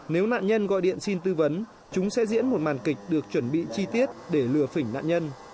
nếu nạn nhân gọi điện xin tư vấn chúng sẽ diễn một màn kịch được chuẩn bị chi tiết để lừa phỉnh nạn nhân